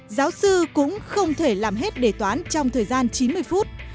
giáo sư cũng không thể làm hết đề toán trong thời gian chín mươi phút